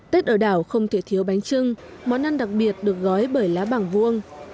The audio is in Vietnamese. tết ở đảo không thể thiếu bánh trưng món ăn đặc biệt được gói bởi lá bảng vuông